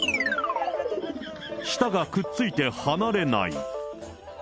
舌がくっついて離れない。